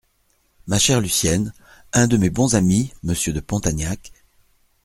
Ma chère Lucienne, un de mes bons amis, Monsieur de Pontagnac…